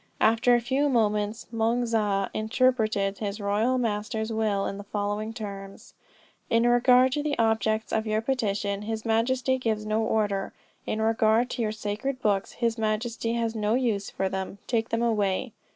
After a few moments Moung Zah interpreted his royal master's will in the following terms: "In regard to the objects of your petition, his majesty gives no order. In regard to your sacred books, his majesty has no use for them take them away."